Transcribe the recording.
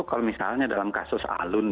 kalau misalnya dalam kasus alun